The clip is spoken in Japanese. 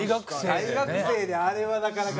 大学生であれはなかなかね。